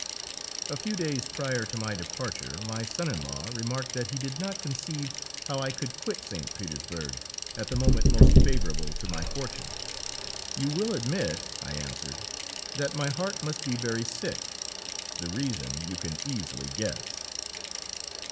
A few days prior to my departure my son in law remarked that he did not conceive how I could quit St. Petersburg at the moment most favourable to my fortune. "You will admit," I answered, "that my heart must be very sick. The reason you can easily guess."